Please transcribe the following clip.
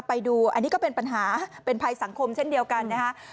ไปดูอันนี้ก็เป็นปัญหาเป็นภัยสังคมเช่นเดียวกันนะคะ